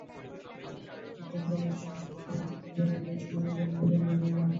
Hip hop গানের সঙ্গে সিলেটের আঞ্চলিক বাংলায় গাইতে শুরু করেন নিজের লেখা গান।